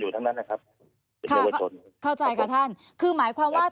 ต่ำบอกของบริเวณบริเวณขวา